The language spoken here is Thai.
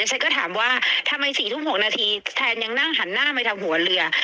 ฉันก็ถามว่าทำไม๔ทุ่ม๖นาทีแทนยังนั่งหันหน้าไปทางหัวเรือ